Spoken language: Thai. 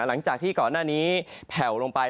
หลังจากที่ก่อนหน้านี้แผ่วลงไป